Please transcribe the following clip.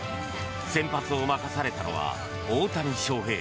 先発を任されたのは大谷翔平。